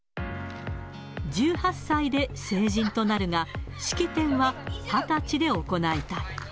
１８歳で成人となるが、式典は２０歳で行いたい。